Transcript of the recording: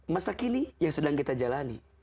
masa kini yang sedang kita jalani